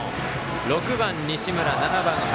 ６番、西村、７番、林。